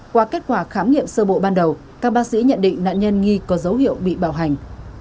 qua kết quả khám nghiệm sơ bộ ban đầu các bác sĩ nhận định nạn nhân nghi có dấu hiệu bị bảo hành